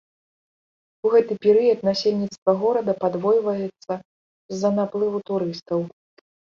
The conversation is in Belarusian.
У гэты перыяд насельніцтва горада падвойваецца з-за наплыву турыстаў.